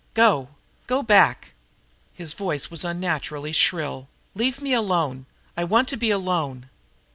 "Go! Go back!" His voice was unnaturally shrill. "Leave me alone. I want to be alone."